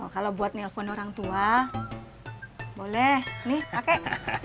kalau buat nelfon orang tua boleh nih kakek